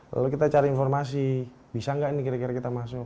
lalu kita cari informasi bisa tidak kita masuk